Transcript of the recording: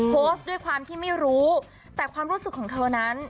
โพสต์ด้วยความที่ไม่รู้แต่ความรู้สึกของเธอนั้น